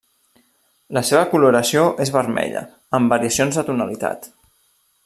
La seva coloració és vermella, amb variacions de tonalitat.